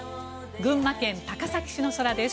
群馬県高崎市の空です。